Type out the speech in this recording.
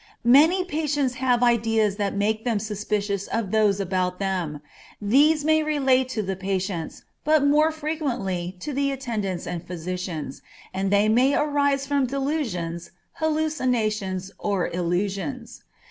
Many patients have ideas that make them suspicious of those about them; these may relate to the patients, but more frequently to the attendants and physicians, and they may arise from delusions, hallucinations or illusions.